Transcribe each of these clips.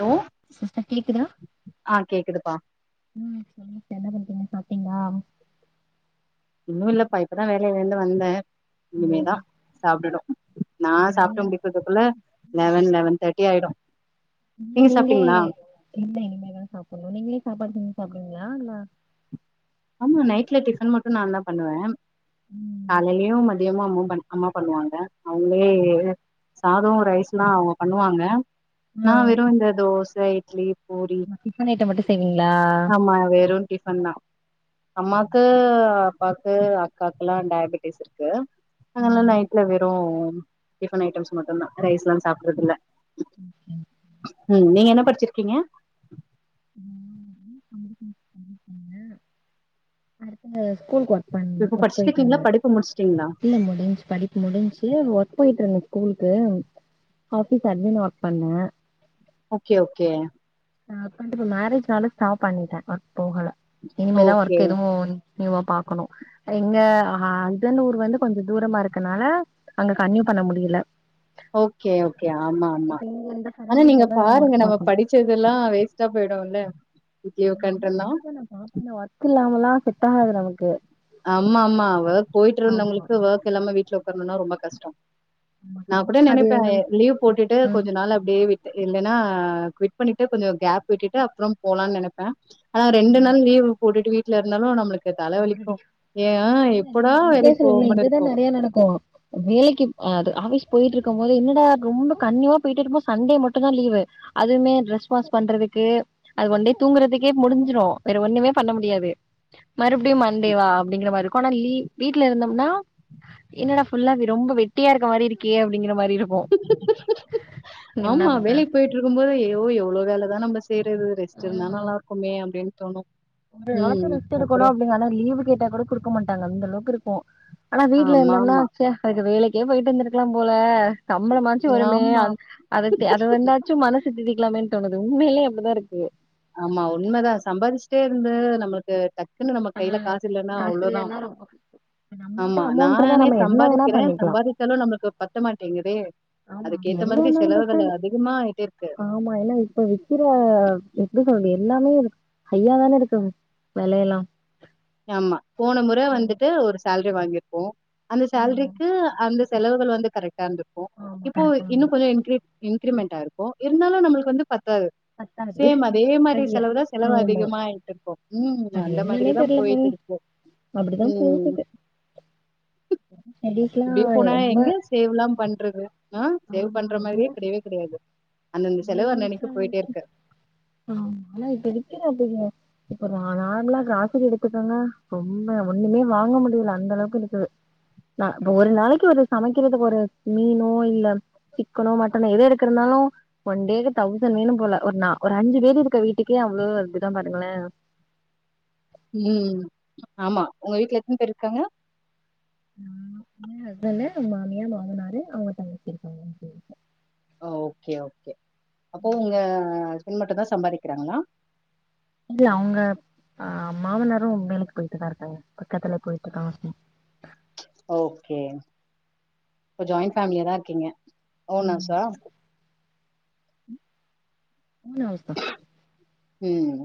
Hello sister கேக்குதா ஆ கேக்குதுப்பா ம் என்ன பண்றீங்க சாப்ட்டீங்ளா இன்னு இல்லப்பா இப்பதா வேலையிலந்து வந்தே ஓ இனிமே தா சாப்டனு நா சாப்ட்டு முடிக் கறதுக்குள்ள லெவன் லெவன் தேர்ட்டி ஆயிடு ஏ நீங்க நீங்ளே சாப்ட்டீங்களா இல்ல இனிமே தா சாப்பட்ணு நீங்ளே சாப்பாடு செஞ்சு சாப்புடுவீங்ளா இல்ல ஆமா நைட்ல டிஃபன் மட்டு நாந் தா பண்ணுவே ம் காலையிலயு மதியமு அம்மா பண் அம்மா பண்ணுவாங்க அவங்ளே ஓ. சாதோ ரைஸ்ல்லா அவங்க பண்ணுவாங்க ஆ நா வெரு இந்த தோச இட்லி பூரி டிஃபன் ஐட்டம் மட்டு செய்வீங்களா ஆமா வெறு டிஃபன்ந்தா அம்மாக்கு அப்பாக்கு அக்காக்கெல்லா டயாபட்டிஸ் இருக்கு ஆ அத்னாலா நைட்ல வெறு டிஃபன் ஐட்டம்ஸ் மட்டுந்தா ரைஸ் எல்லா சாப்பட்றது இல்ல [inaudible] ம் நீங்க என்ன படிச்சிருக்கீங்க நா வந்து கம்பியூட்டர் சயின்ஸ் பண்ணிருக்கங்க அடுத்த ஸ்கூலுக்கு ஒர்க் பண் இப்ப ஒர்க் படிச்சுட்டு இருக்கீங்களா போயிட்ருந்தே படிப்பு முடிச்சுட்டீங்களா இல்ல முடிஞ்சு படிப் முடிஞ்சு ஒர்க் போயிட்ருந்தே ஸ்கூலுக்கு ஆபீஸ் அட்மினா ஒர்க் பண்ணே ஓகே ஓகே நா அப்பந்துப்ப மேரேஜ்னால ஸ்டாப் பண்ணிட்டே ஒர்க் போகல இனிமேதா ஓகே ஒர்க் எதுவு நீயூவா பாக்கணு எங்க அந்தனூர் வந்து கொஞ்சோ தூரமா இருக்கனால அங்க கன்னியூ பண்ண முடியல ஓகே ஓகே ஆமா ஆமா இப்ப இங்க இந்த ஆனா நீங்க சரௌண்டிங்லதா எதுவு பாருங்க ஒர்க் நம்ம பாக்கணு படி ச்சதெல்லா வேஸ்ட்டா போயிடுல்ல வீட்லயே உக்காட்ன்ருந்தா ஆ பின்ன ஒர்க் இல்லாமல்லா செட்டாகாது நமக்கு ஆமா ஆமா ஒர்க் ஆமா போயிட்ருந்தவங்களுக்கு ஒர்க் இல்லாம வீட்ல உக்காரணுன்னா ரொம்ப கஷ்டோ ஆமா, நா கூட அது நெனப்பே லீவ் போட்டுட்டு ம் கொஞ்ச நாள் அப்டியே விட்டு இனுந்தனா குவிட் பண்ணிட்டு கொஞ்ச கேப் விட்டுட்டு அப்றோ போலான்னு நெனப் ப்பே ஆனா ரெண்டு ம் நாள் லீவ் போட்டுட்டு வீட்ல இருந்தாலு நம்மளுக்கு போர் அடிக்கு தலவலிக்கு இல்ல நீங்க உண்மைய சொல்லுங்க இதுதா இருக்கு நெறைய நடக்கு வேலைக்கு அது ஆஃபிஸ் போயிட்டு இருக்கம்போது என்னடா ரொம்ப கன்னியூவா போயிட்டுருக்கம்போது சண்டே மட்டுதா லீவு அதுவுமே ட்ரெஸ் வாஷ் பண்றதுக்கு அது ஒன்டே தூங்கறதுக்கே முடிஞ்சிரு வேற ஒண்ணுமே பண்ண முடியாது மறுப்டியு மண்டேவா அப்டிங்கிற மாரிருக்கு ஆனாலீ வீட்லருந்தம்னா என்னடா ஃபுல்லா ரொம்ப வெட்டியா இருக்க மாரிருக்கே அப்டிங்கிற மாரி இருக் ஆமா பண்றது வேலைக்கு போயிட் டுருக்கு போதே யோ எவ்ளோ வேலதா நம்ம செய்றது ரெஸ்ட் ஆஹ் இருந்தா நல்லா இருக்குமே அப்டின் தோணு ம் நமக்கு ரெஸ்ட் எடுக்கணு அப்டின் ஆனா லீவு கேட்டா கூட குடுக்க மாட்டாங்க அந்த அளவுக்கு இருக்கு ஆனா வீட்ல இருந்தம்னா ஆமாமா. ச்ச அதுக்கு வேலைக்கே போயிட்டு வந்திருக்கலா போல சம்பமள மாச்சு வருமே ஆமா, அது அது வந்தா ச்சு மனசு திதிக்கலாமேன் தோணுது உண்மைலே அப்டிதா இருக்கு ஆமா உண்மதா சம்பாதிச்சுட்டே இருந்து நம்மளுக்கு டக் குன்னு நம்ம ஆனா கையில காசு இல்லனா காசு அவ்ளோதா இல்லன்னா ரொம்ப கஷ்டம். நம்மள்ட்ட ஆமா அமௌண்ட் இருந்தா நானே நம்ம என்ன வேணா சம்பாதிக்கிறே பண்ணிக்கலா சம்பாதி ச்சாலு நம்ளுக்கு பத்த மாட்டேங்குதே ஆமா அதுக்கேத்த எவ்ளோ மாதிரி வேணாலு செலவுகள் பாத்தா அதிகமா ஆயிட்டேருக்கு ஆமா இப்ப விக்கிற எப்டி சொல்றது ஹையாதான இருக்கு வெலையெல்லா ஆமா போன முற வந்துட்டு ஒரு சேல்ரி வாங்கிருப்போ அந்த சேல்ரிக்கு அந்த செலவுகள் வந்து கரெக்டா இருந்திருக்கு ஆமா இப்போ கரெக்டா இன்னு வந்திருக்கு கொஞ்சோ இன்கி இன்கிரிமெண்ட் ஆயிருக்கு இருந்தாலு நம்மளுக்கு வந்து பத்தாது பத்தாது சேம் அதே மாரி அது செலவுதா செலவு ஆமா அதிகமா ஆயிட்டிருக்கு ம் அது அந்த என்னன்னே மாதிரிதா தெர்ல போங்க போயிட்டிருக்கு அப்டிதா ம் போகுது ஸ்டடிஸ்லா இப்டியே போனா ரொம்ப எங்க சேவ்லா பண்றது ஆ சேவ் ஆமா பண்ற என்ன மாதிரியே கெடையவே கெடையாது அந்தந்த செலவு அன்னன்னைக்கு போயிட்டேருக்கு ஆமா ஆனா இப்ப இருக்குற பெரிய இப்ப நா நார்மலா கிராசரி எடுத்துக்கோங்க ரொம்ப ஒன்னுமே வாங்க முடியல அந்த அளவுக்கு இருக்குது நா இப்ப ஒரு நாளைக்கு ஒரு சமைக்கிறதுக்கு ஒரு மீனோ இல்ல சிக்கனோ மட்டனோ எதோ எடுக்கறதுனாலு ஒன் டேக்கு தௌசண் வேணு போல ஒரு நா ஒரு அஞ்சி பேர் இருக்க வீட்டுக்கே அவ்ளோ வருதுன்னா பாருங்களே ம் ஆமா உங்க வீட்ல எத்தன பேர் இருக்காங்க நானு ஒன்னு எயே ஹஸ்பண்டு மாமியார் மாமனாரு அவங்க தங்கச்சி இருக்காங்க அஞ்சி பேர் வீட்ல ஓ ஓகே ஓகே அப்போ உங்க ஹஸ்பண்ட் மட்டுதா சம்பாதிக்கிறாங்களா இல்ல அவுங்க அ மாமனாரு வேலைக்கு போயிட்டுதா இருக்காங்க பக்கத்துல போயிட்டு இருக்காங்க வாட் ஓகே அப்போ ஜாயின் ஃபேமிலியா தா இருக்கீங்க ஓன் ஹவுஸா ஓன் ஹவுஸ்தான ம்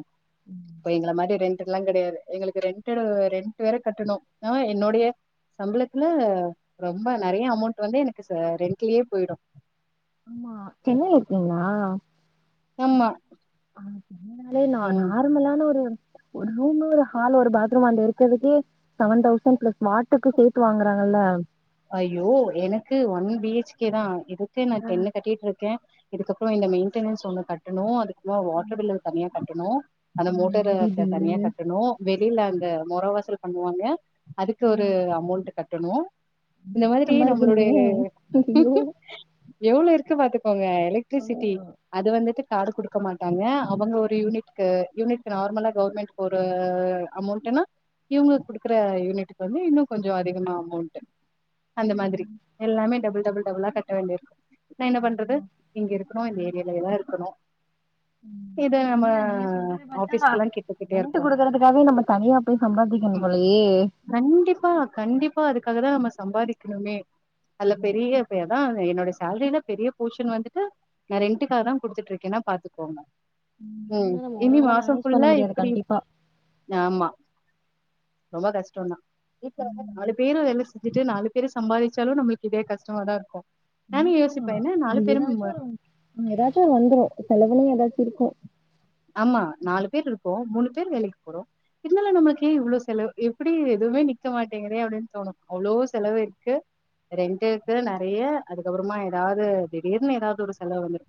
இப்ப எங்கள மாரி ரெண் ட்டுக்லா கெடையாது எங்களுக்கு ரெண்டடு ரெண்டு வேற கட்டணு ஆ என்னுடைய சம்பளத்துல ரொம்ப நெறைய அமௌண்ட் வந்து எனக்கு ச ரெண்ட்டுலயே போயிடு ஆமா சென்னையில இருக்கீங்ளா ஆமா ஆ சென்னை நாலே நா ம் நார்மலான ஒரு ஒரு ரூம் ஒரு ஹால் ஒரு பாத்ரூம் அந்த இருக்கறதுக்கு செவன் தௌசண்ட் பிளஸ் வாட்டருக்கு சேத்து வாங்குறாங்கல்ல ஐயோ எனக்கு ஒன் பி ஹெச் கே தா இதுக்கு நானு டென்னு கட்டிட்டு இருக்க இதுக்கப்றோ இந்த மெயின்டெனன்ஸ் ஒன்னு கட் டனு அதுக்கு வாட்டர் பில்லு தனியா கட்டணு அந்த ஆமா மோட்டரு ஈபி பில்லு தனியா கட்டு கட்டணு வெளில அந்த மொற வாசல் பண்ணுவாங்க அதுக்கு ஒரு அமௌண்ட் கட்டணு இந்த மாதிரி நம்மளுடைய சம்பாரிக்கணுமே ஐயோ எவ்ளோ இருக்கு பாத்துக்கோங்க ஓ. எலக்ட்ரிசிட்டி அது வந்துட்டு காடு குடு டுக்க மாட்டாங்க அவங்க ஒரு யூனிட்டுக்கு யூனிட் நார்மலா கவுவர்மெண்ட் ஒரு அமௌன்ட்டுன்னா இவங்களுக்கு குடுக்குற யூனிட்க்கு வந்து இன்னு கொஞ்சோ அதிகமா அமௌண்ட் அந்த மாதிரி ம். எல்லாமே டபுள் டபுள் டபுளா கட்ட வேண்டி இருக்கு ஆனா என்ன பண்றது ஐயோ. இங்க இருக்கணு இந்த ஏரியாவுலயேதா இருக்கணு இத ம் நம்ம இல்ல நீங்க சொல்றத பாத்தா ஆபீஸ்க்கெல்லா கிட்ட கிட்டயா ரென்ட் இருக்கு குடுக்கறதுக்காவே நம்ம தனியா போய் சம்பாதிக்கனும் போலயே கண்டிப்பா கண்டிப்பா அதுக்காக தா நம்ம சம்பாதிக்கணுமே அதுல ஆமா பெரிய பையதா என்னோட சே சேல்ரில பெரிய போஷன் வந்துட்டு நா ரெண்டுக்காக தா குடுத்துட்டு இருக்கேன்னா பாத்துக்கோங்க ம் இதுல நம்ம ஒரு இனி ஆளா மாசோ மேனேஜ் பண்ண ஃபுல்லா முடியாது எப்புடி கண்டிப்பா ஆமா ரொம்ப கஷ்டோதா வீட்ல வந்து ம் நாலு பேரு வேல செஞ் வந்துட்டு நாலு பேரு சம்பாதிச்சாலு நம்மளுக்கு இதே கஷ்டமாதா இருக்கு நானு கண்டிப்பா யோசிப்பே என்ன நாலு அது பேரு ஏதாச்சு நம்ம ம் ஏதாச்சு ஒன்னு வந்துரு செலவுன்னு ஏதாச்சு இருக்கு ஆம்மா நாலு பேர் இருக்கோம் மூணு பேர் வேலைக்கு போறோம் இருதாலு நம்மளுக்கு யே இவ்ளோ செலவ் எப்படி எதுவுமே நிக்க மாட்டேங்கிறே அப்படின் தோணும் அவ்லோ செலவு இருக்கு ரெண்டுக்கு நறைய அதுக்கப்புறமா ஏதாது திடீர்னு ஏதாது ஒரு செலவு வந்துரு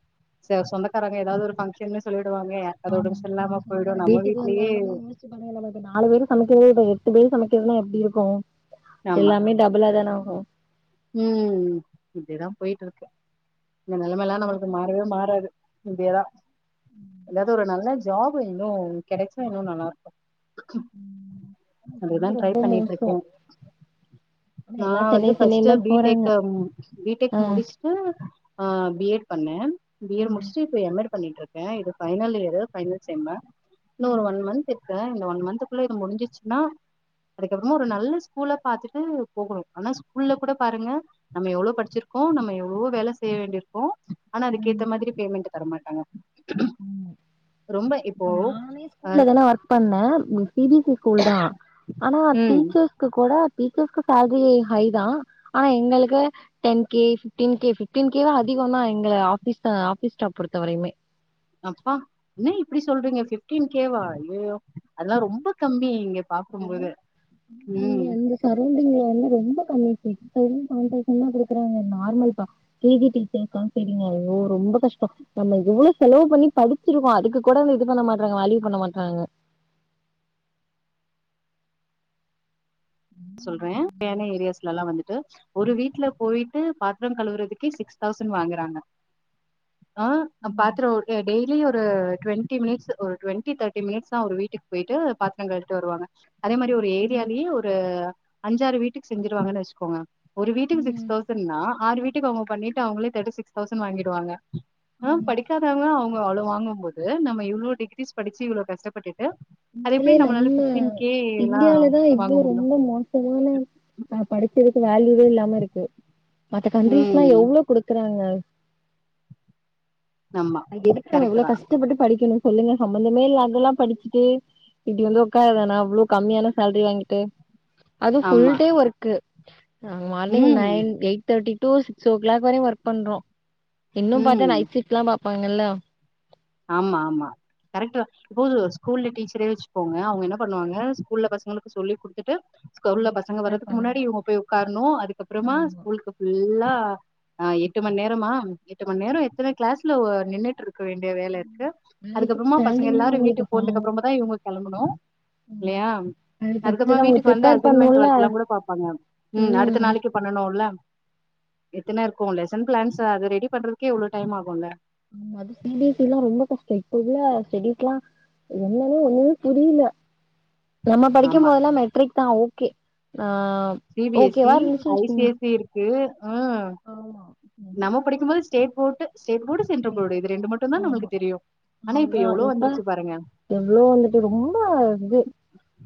ச சொந்தக்காரங்க ஏதாவ்து ஒரு பஃபங்க்ஷன்னு சொல்லிடுவாங்கய யார்க்காது ஆமா ஒடம்பு சல்லாம போயிடும் நம்ம வீட்லயே பரவால்ல இப்ப நாலு பேர் சமைக்கறது இப்ப எட்டு பேர் சமைக்கிறதுன்னா எப்டி இருக்கோ ஆமா. எல்லாமே டபுளா தான ஆகும் ம் இப்டிதான் போயிட்ருக்கு இந்த நெலம எல்லா நம்மளுக்கு மாறவே மாறாது இப்டியேதா எதாது ஒரு நல்ல ஜாப் இன்னும் கெடைச்சா இன்னு நல்லா இருக்கும் ம் அதுதா சென்னை ட்ரை ரொம்ப மோசோ பண்ணிட்ருக்கே ஆனா நா எல்லா வந்து சென்னை சென்னைன்னு தா ஃபஸ்ட்டுப் பி டெக் போறாங்க பி டெக் ஆ முடிச்ட்டு ஆ பி எட் பண்ணே பி யெடு ம் முடிச்ட்டு இப்ப எம் யெடு பண்ணிட்ருக்க இது பைனல் இயரு பைனல் செம்மு இன்னு ஒரு ம் ஒன் மந்த் அ இந்த ஒன் மந்த்க்குள்ள இது முடிஞ்சிச்சுன்னா அதுக்கப்புறமா ஒரு நல்ல ஸ்கூல்லா பாத்துட்டு போகணு ஆனா ஸ்கூல்ல கொட பாருங்க நம்ம எவ்ளோ படிச்சிருக்கோ நம்ம எவ்ளோ வேல செய்ய வேண்டியிருக்கோ ஆனா ம் அதுக்கேத்த மாதிரி பேமெண்ட் தரமாட்டாங்க ரொம்ப இப்போ நானே அ ஸ்கூல்லதன ஆர் பண்ண சி பி சி ஸ்கூல் தான் ஆனா ம் டீச்சர்ஸ் க்கு கொட டீச்சர்ஸ்கு சேலரி ஹை தான் ஆனா எங்களுக்கு ten K fifteen K fifteen K வே அதிகம் தான் எங்க ஆபீஸா ஆபீஸ் ஸ்டாப் பொருத்த வரயுமே அப்பா என்ன இப்டி சொல்றீங்க பிப்டீன் கேவா அய்யயோ அதெல்லா ரொம்ப கம்மி இங்க பாக்கும்போது நீ ம் அந்த சரௌண்டிங்ல வந்து ரொம்ப கம்மி சைஸ் டெய்லி கவுண்டர்ஸ்லாகேக்குறாங்க நார்மல் பா ப்ரீ கே ஜி டீச்சர்க்கான் செய்றீங்க அய்யோ ரொம்ப கஷ்டம் நம்ம எவ்வளோ செலவு பண்ணி படிச்சிருக்கோம் அதுக்கு கொட அந்த இது பண்ண மாட்றாங்க வலிவ் பண்ண மாட்றாங்க சொல்றேன் பேனே ஏரியாஸ்லல்லாம் வந்துட்டு ஒரு வீட்ல போயிட்டு பா த்ரம் கழுவறதுக்கு சிக்ஸ் தௌசண்ட் வாங்கறாங்க ஆ ம் பாத்தரோ ஒழுக்க டே லி ஒரு டுவென்டி மிட்ஸ் ஒரு டுவெண்டி தேர்டி மினிட்ஸ் தா ஒரு வீட்டுக்கு போயிட்டு பாத்ரம் கழுவிட்டு வருவாங்க அதே மாரி ஒரு ம் ஏரியாலயே ஒரு அஞ்சாறு வீட்டுக் செஞ்சிருவாங்கனு வச்சுக்கோங்க ஒரு வீட்டுக்கு சிக்ஸ் ம் தௌசண்னா ஆறு வீட்டுக்கு அவங்க பண்ணிட்டு அவங்களே தேட்டிசிக்ஸ் தௌசண் வாங்கிருவாங்க ஆ ஆமா படிக்காதவங்க அவங்க அவ்ளோ வாங்கும் போது நம்ம இவ்ளோ டிகிரிஸ் படிச்சு இவ்ளோ கஷ்டப்பட்டுட்டு அது இல்ல எப்டி இல்ல நம்மளால இந்த ஃபிப்டீன் கே எல்லா இந்தியால தான் இவ்ளோ வாங்க முடியு ரொம்ப மோ சமான நா படிச்சதுக்கு வேல்யூவே இல்லாம இருக்கு மத்த கண்ரீஸ்ல்லா ம் எவ்ளோ குடுக்குறாங்க ஆமா அதுக் எதுக்கு கரெக்ட் நம்ம தா கஷ்டப்பட்டு படிக்கணும் சொல்லுங்க சம்பமந்தமே இல்லாதெல்லா படிச்சிட்டு இப்டி வந்து உட்காரதானா இவ்ளோ கம்மியான சேலரி வாங்கிட்டு அது ஃபுல் ஆமா டே ஒர்க்கு ஆ மார்னிங் ம் nine eight thirty two six o'clock வரையு ஒர்க் பண்றோம் இன்னும் பாத்தா ம் நைட் சிப்ட்லா பாப்பாங்கள்ல ஆமா ஆமா கரெக்ட்டுதா போது ஸ்கூல்ல டீச்சரே வச்சுப்போங்க அவங்க என்ன பண்ணுவாங்க ஸ்கூல்ல பசங்களுக்கு சொல்லி குடுத்துட்டு ஸ்கொல்ல அவங்க பசங்க ப்ரிப்பேர் வறதுக்கு பண்ணணு முன்னாடியே இவங்க போய் உக்கார்ணும் அதுக்கப்புறமா ஆமா ஸ்கூல்க்கு ஃபுல்லா ஆ எட்டு மண் நேரமா எட்டு மண் நேரம் எத்தன கிளாஸ்ல நின்னுட்டு இருக்க வேண் அப்டியே வேல இருக்கு மேக்ஸிமம் அதுக்கப்புறமா பசங்க ஸ்டாண்டிங் தா எல்லாரும் அவங்களுக்கு வீட்டுக்கு பாவோ போனதுக்குப்புறமா தா இவுங்க களம்பணு இல்லயா அது பத்தாது அதுக்கப்புறம் அவங்க வீட்டுக்கு வந்து ப்ரிப்பேர் அசைன்மெண்ட் பண்ணுல்ல ஒர்க்குல்லாம் கூட பாபாங்க உம் அடுத்த ம் நாளைக்கு பண்ணனும்ல எத்தன இருக்கும் லெசன் பிளான்ஸ் அது ரெடி பண்றதுக்கே இவ்ளோ டைம் ஆகும்ல ஆமா அது சி பி எஸ் சில்லா ரொம்ப கஷ்ட இப்ப உள்ள ஸ்டெடீஸ்லா என்னனு ஒன்னுமே புரில நம்ம படிக்கும் ஆமா. போதெல்லா மெட்ரிக் தா ஓகே ஆ சி பி எஸ் ஓகேவா சி இருந்துச்சுன்னு ஐ சி வச்சுக்கோங்க எஸ் சி இருக்கு ஆ ஆமா நம்ம படிக்கும் போது ஸ்டேட் போட்டு ஸ்டேட் போர்டு சென்ட்ரல் போர்டு இது ரெண்டு மட்டுந்தா ஆமா நம்மளுக்கு தெரியு ஆனா இப்ப எவ்வளோ வந்துருச்சுப் பாருங்க எவ்வளோ வந்துட்டு ரொம்பா இது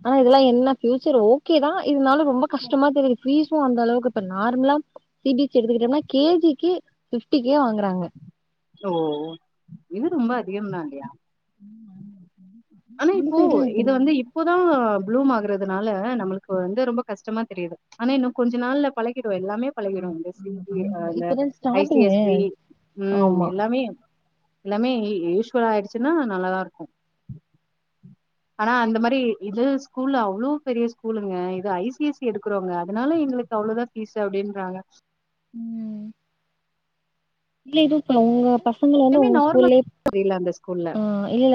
ஆனா இதுலா என்ன ஃபியூச்சர் ஓகே தா இருந்தாலு ரொம்ப கஷ்டமா தெரியது ஃபீஷு அந்த அளவுக்கு இப்ப நார்மலா எடுத்துக்கிட்டினா கே ஜிக்கே பிப்டிக்கே வாங்குறாங்க ஓ இது ரொம்ப அதிகம்தா இல்லையா ஆனா இந்த இப்போ சைட்லா எப்டி இது வந்து இப்போதா ப்ளூம் ஆகுறதுனால நம்மளுக்கு வந்து ரொம்ப கஷ்டமா தெரியுது ஆனா இன்னு கொஞ்ச நாள்ல பழகிடு எல்லாமே பழகிடு ஆமா இந்த சி ஆமா பி அ பழகிடு இந்த இப்பதா I C starting S C ம் ஆமா எல்லாமே எல்லாமே யூஸ்வல்லா ஆயிடுச்சுன்னா நல்லாதா இருக்கும் ஆனா அந்த மாரி இது ஸ்கூல்ல அவ்வளோ பெரிய ஸ்கூலுங்க இது ஐ சி எஸ் சி எடுக்கிறவங்க அதனால எங்களுக்கு அவ்வளோதா பீசு அப்டின்றாங்க ம் இல்ல இதுவும் இப்ப உங்க பசங்க வந்து எல்லாமே உங்க நார்மல் ஸ்கூல்லயே தெரியல அந்த ஸ்கூல்ல. ஆ இல்ல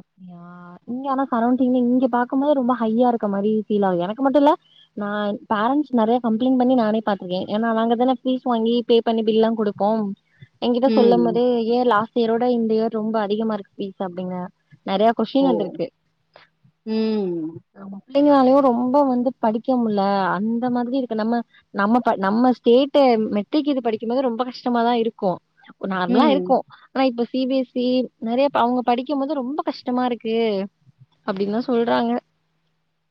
அப்படியா நீங்க ஆனா சரௌண்டிங்ல இங்க பாக்கும் போது ரொம்ப ஹையா இருக்க மாரி ஃபீல் ஆகுது எனக்கு மட்டு இல்ல நா பேரண்ட்ஸ் நெறையா கம்ப்ளைண்ட் பண்ணி நானே பாத்திருக்கே ஏன்னா நாங்கதானே ஃபீஸ் வாங்கி பே பண்ணி பில்லா குடுக்கோம் எங்கிட்ட சொல்லம் ம். போதே ஏ லாஸ்ட் இயரோட இந்த இயர் ரொம்ப அதிகமா இருக்கு ஃபீஸ் அப்டிங்கு நெறையா ஓ! கொஷிடின் வந்திருக்கு ம். நம்ம பிள்ளைங்களாலயு ரொம்ப வந்து படிக்க முடில அந்த மாதிரி இருக்கு நம்ம நம்ம ப நம்ம ஸ்டேட்டு மெட்ரிக்கு இது படிக்கும்போது ரொம்ப கஷ்டமாதா இருக்கு நார்மலா ம். இருக்கு ஆனா இப்ப சி பி எஸ் இ நெறைய அவங்க படிக்கும் போது ரொம்ப கஷ்டமா இருக்கு அப்படின்னு தா சொல்றாங்க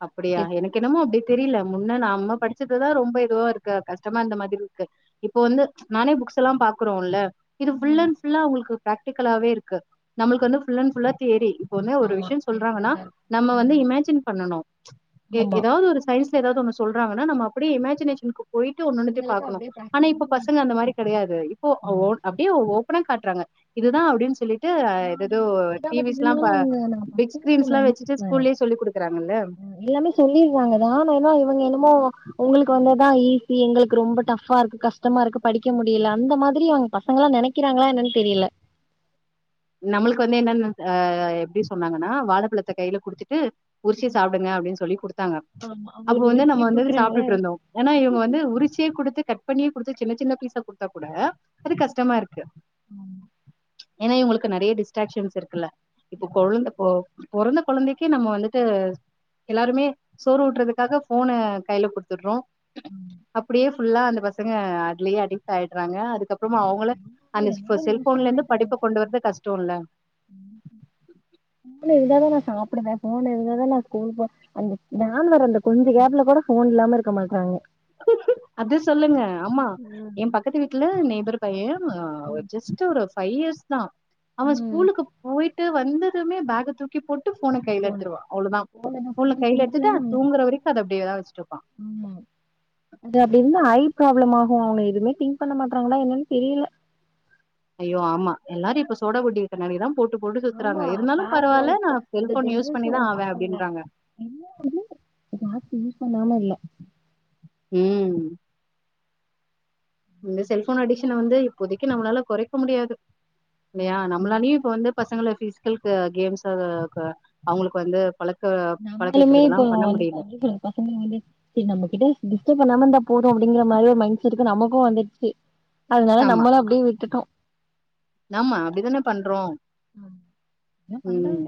அப்படியா எனக்கு என்னமோ அப்படி தெரியல முன்ன நம்ம படிச்சதுதா ரொம்ப இதுவா இருக்கு கஷ்டமா இருந்த மாதிரி இருக்கு இப்ப வந்து நானே புக்ஸ்ஸல்லாம் பாக்குறோம்ல இது ஃபுல் ம். அண்ட் ஃபுல்லா அவங்களுக்கு பிராக்டிகலாவே இருக்கு நமளுக்கு வந்து புல் அண்ட் ஃபுல்லா தியரி இப்பவுமே ஒரு ஆமா. விஷய சொல்றாங்கன்னா தியரட்டிக்கல் தான் இருக்கும். நம்ம வந்து ம். இமேஜின் பண்ணனு எ ஆமா. எதா வது ஒரு சைஸ்ல ஏதாவது ஒன்னு சொல்றாங்கன்னா நாம அப்படியே இமேஜினேஷன்க்குப் போயிட்டு ஒன்னு ஒன்னுத்தையு இவங்களுக்கு பாக்கணு அப்படியே ஆனா இப்ப பிராக்டிகல் பசங்க இருக்கு. அந்த மாரி கெடையாது இப்போ ஓ ஆமா. அப்டியே ஓப்பன்னா காட்றாங்க இதுதா அப்படின் சொல்லி ட்டு ஆ எது அது எதோ ஓகே தான். பட் டிவிஸ்ல்லா பா இருந்தாலும் அவங்க நான் பிக் பசங்களோட ஸ்கிரீன்ஸ்ல்லா மைண்ட் வச்சுட்டு செட் வேற. ஸ்கூல்லயே சொல்லி் குடுக்கறாங்கல்ல அ எல்லாமே சொல்லிருறாங்கதா ஏன்னா இவங்க என்னமோ உங்களுக்கு வந்து உங்களுக்குதா ஈசி எங்களுக்கு ரொம்ப டஃபா இருக்கு கஷ்டமா இருக்கு படிக்க முடியல அந்த மாதிரி அவங்க பசங்களா நெனைக்க கிறாங்களா என்னன்னு தெரியல நம்மளுக்கு வந்து என்னன்ன ஆ எப்படி சொன்னாங்கன்னா வாழப்பழத்த கையில குடுத்துட்டு உறிச்சி சாப்டுங்க அப்டின்னு சொல்லி குடுத்தாங்க ஆமா. அப்போ அவங்களுக்கு வந்து நம்ம உரிச்சியே வந்து குடுக்குறாங்களா? சாப்ட்டுட்டு இருந்தோ ஏன்னா இவங்க வந்து உரிச்சியே குடுத்து கட் பண்ணியே குடுத்து சின்ன சின்ன பீசா குடுத்தா கூட அது கஷ்டமா இருக்கு ம் ஏன்னா இவங்களுக்கு நறைய டிஸ்ட்ராக்ஷன்ஸ் இருக்குல்ல இப்ப ம். கொழந்தப் போ பொறந்த கொழந்தைக்கே நம்ம வந்துட்டு எல்லாருமே சோறு ஊட்டுறதுக்காக போன கையில கொடுத்துடுறோ ம். அப்படியே ஃபுல்லா அந்த பசங்க அதுலேயே அடிக்ட் ஆயடுறாங்க அது ஆமா. க்கப்பறமா அவங்கள ம். எல்லாமே அந்த ரொம்ப செல்போன்ல இருந்து படிப்ப கொண்டு வரது கஷ்டம் இல்ல உம் போன் இருந்தாதா நா சாப்பிடுவே போன் இருந்தாதா நா ஸ்கூல் போவே. அந்த வேன் வர அந்த கொஞ்ச கேப்ல கூட போன் இல்லாம இருக்க மாட்டாங்க அத சொல்லுங்க ஆமா ம் எ பக்கத்து வீட்டுல நெய்பர் பைய ம் ஜஸ்டு ஒரு பைவ் இயர்ஸ் தா அவ ம் ஸ்கூலுக்கு போயி ட்டு வந்ததுமே பேக் தூக்கி போட்டு போட்டு போன கையில ஃபோனு எடுத்துடுவா அவ்வளவுதா ஃபோன் எது போன்ல ஃபோன் கையில குடுக்கலனா எடுத்துட்டு தூங்குற வரைக்கும் அத அப்படியேதா வச்சுட்டு இருப்பா ஆமா அது அப்படியே இருந்தா ஐ ப்ராப்ளம் ஆகும் அவங்க எதுவுமே திங்க் பண்ண மாட்டாங்களா என்னன்னு தெரியல ஐயோ ஆமா எல்லாரும் இப்ப சோடாபுட்டி கண்ணாடி தா போட்டு போட்டு ஆமா சுத்துறாங்க இருந்தாலு பாருங்களே பரவால்ல நா இப்ப இந்த செல்போன் யூஹ் பண்ணிதா ஜென்ரேஷன் ஆவே பசங்க அப்படின்றாங்க என்ன வந்து பாத்து யூஸ் பண்ணாம இல்ல ம் இந்த செல்போன் அடிக்ஷன் வந்து இப்போதைக்கு நம்மளால குறைக்க முடியாது. இல்லையா நம்மளா லீவ்க்கு வந்து பசங்கள பீஸ் ங்களுக்கு கேம்ஸ்ஸுக் அவங்களுக்கு வந்து பழக்க பழக்க வைக்கிறதுல்லா பண்ண முடியல ஆ சொல்லுங்க [inaudible] சேரி நம்மகிட்ட டிஸ்டர்ப் பண்ணாம இருதா போதும் அப்படிங்கிற மாதிரி ஒரு மைண்ட் செடக்கு நமக்கு வந்துடுச்சு அதனால ஆமா. நம்மளும் அப்படியே விட்டுட்டோ ஆமா. அப்டிதானே பண்றோம். உம் ஏதோ ம். பண்றாய்ங்க